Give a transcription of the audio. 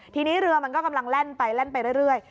ทีนี้เรือมันกำลังแร่นไปเรื่อย